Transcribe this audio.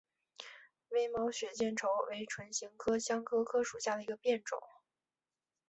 微毛血见愁为唇形科香科科属下的一个变种。